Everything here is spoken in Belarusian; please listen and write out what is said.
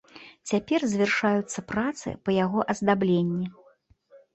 Цяпер завяршаюцца працы па яго аздабленні.